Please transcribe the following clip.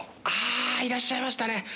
あいらっしゃいましたね。